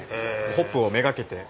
ホップを目がけて。